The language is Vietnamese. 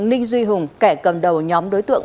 ninh duy hùng kẻ cầm đầu nhóm đối tượng